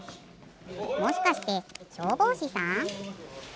もしかしてしょうぼうしさん？